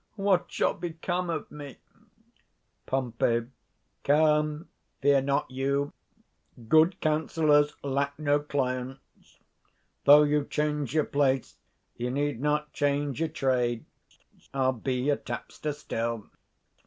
What shall become of me? 100 Pom. Come; fear not you: good counsellors lack no clients: though you change your place, you need not change your trade; I'll be your tapster still.